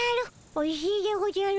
おいしいでおじゃる。